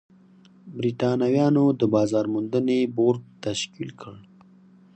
برېټانویانو د بازار موندنې بورډ تشکیل کړ.